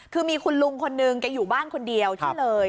คือมีคุณลุงคนนึงแกอยู่บ้านคนเดียวที่เลย